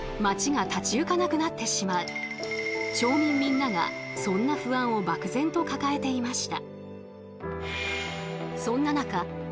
町民みんながそんな不安を漠然と抱えていました。